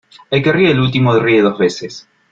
El que ríe el último ríe dos veces.